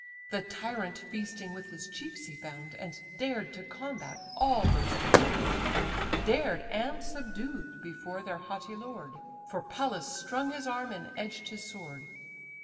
The tyrant feasting with his chiefs he found, And dared to combat all those chiefs around: Dared, and subdued before their haughty lord; For Pallas strung his arm and edged his sword.